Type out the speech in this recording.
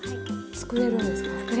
作れるんです。